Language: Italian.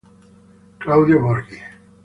Claudio Borghi